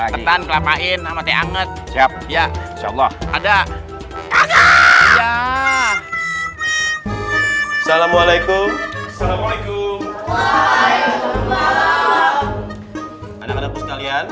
ketan kelapain sama teh anget siap ya insyaallah ada kaget ya assalamualaikum assalamualaikum